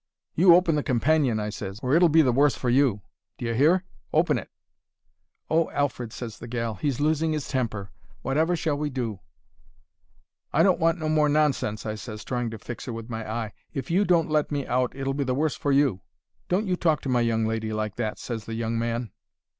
"'You open the companion,' I ses, 'or it'll be the worse for you. D'ye hear? Open it!' "'Oh, Alfred,' ses the gal, 'he's losing 'is temper. Wotever shall we do?' "'I don't want no more nonsense,' I ses, trying to fix 'er with my eye. 'If you don't let me out it'll be the worse for you.' "'Don't you talk to my young lady like that,' ses the young man.